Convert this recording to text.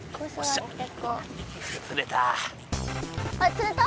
釣れた？